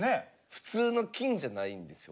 普通の金じゃないんですよ